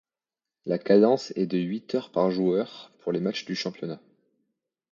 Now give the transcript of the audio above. La cadence est de huit heures par joueur pour les matchs du championnat.